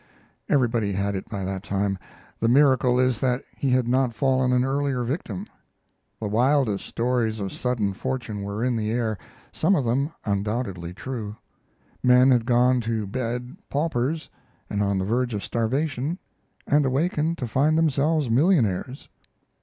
Everybody had it by that time; the miracle is that he had not fallen an earlier victim. The wildest stories of sudden fortune were in the air, some of them undoubtedly true. Men had gone to bed paupers, on the verge of starvation, and awakened to find themselves millionaires.